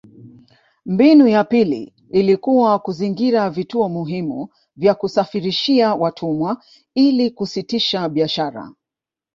Mbinu ya pili ilikuwa kuzingira vituo muhimu vya kusafirishia watumwa ili kusitisha biashara